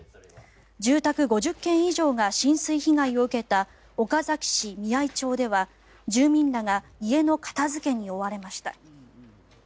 住宅５０軒以上が浸水被害を受けた岡崎市美合町では、住民らが家の片付けに追われました。